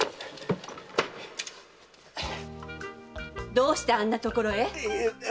どうしてあんな所へ？